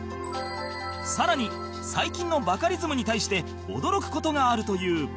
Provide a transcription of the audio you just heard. さらに最近のバカリズムに対して驚く事があるという